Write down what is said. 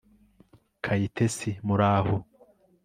Kayitesi Muraho